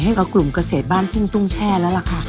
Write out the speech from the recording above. กับกลุ่มเกษตรบ้านทุ่งตุ้งแช่แล้วล่ะค่ะ